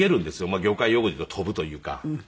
業界用語で言うと飛ぶというか。